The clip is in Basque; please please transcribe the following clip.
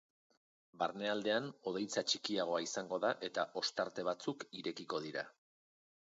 Barnealdean hodeitza txikiagoa izango da eta ostarte batzuk irekiko dira.